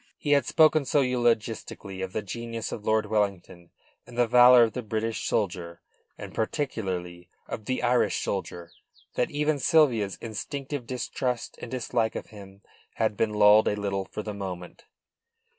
He had spoken so eulogistically of the genius of Lord Wellington and the valour of the British soldier, and, particularly of the Irish soldier, that even Sylvia's instinctive distrust and dislike of him had been lulled a little for the moment.